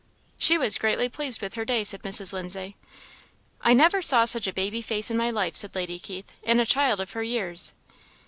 "She was greatly pleased with her day," said Mrs. Lindsay. "I never saw such a baby face in my life," said Lady Keith, "in a child of her years."